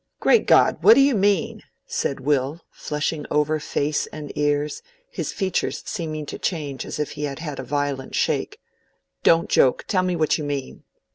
"Great God! what do you mean?" said Will, flushing over face and ears, his features seeming to change as if he had had a violent shake. "Don't joke; tell me what you mean."